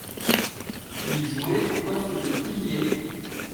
Il jouait au poste de pilier.